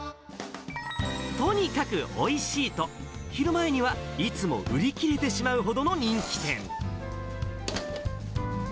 とにかくおいしいと、昼前にはいつも売り切れてしまうほどの人気店。